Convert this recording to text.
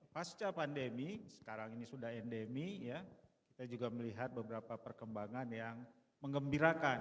pasca pandemi sekarang ini sudah endemi kita juga melihat beberapa perkembangan yang mengembirakan